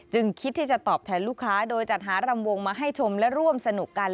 คิดที่จะตอบแทนลูกค้าโดยจัดหารำวงมาให้ชมและร่วมสนุกกัน